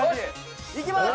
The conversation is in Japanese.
いきます！